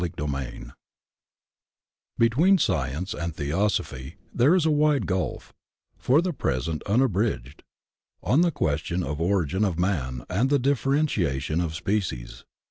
CHAPTER XV BETWEEN Science and Theosophy there is a wide gulf, for the present unbridged, on the question of the origin of man and &e differentiation of species.